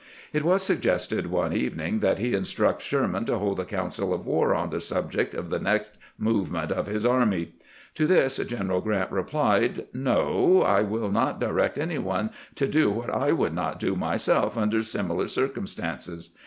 It was suggested, one evening, that he instruct Sher man to hold a council of war on the subject of the next movement of his army. To this General Grant replied :" No ; I will not direct any one to do what I would not do myself under similar circumstances.